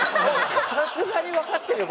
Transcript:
さすがにわかってるよ